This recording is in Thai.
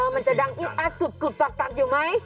มันจะดังอีกประสุนวักตักอยู่ไหม